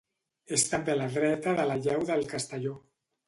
És també a la dreta de la llau del Castelló.